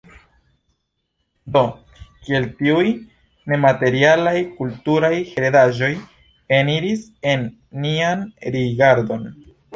Do kiel tiuj nematerialaj kulturaj heredaĵoj eniris en nian rigardon?